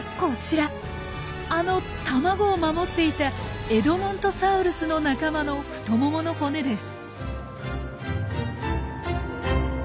あの卵を守っていたエドモントサウルスの仲間の太ももの骨です。